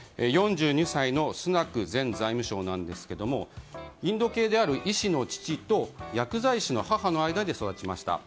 ４２歳のスナク前財務相ですがインド系である医師の父と薬剤師の母の間で育ちました。